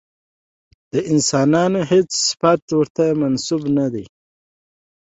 د انسانانو هېڅ صفت ورته منسوب نه شي.